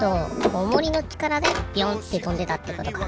オモリのちからでビョンってとんでたってことか。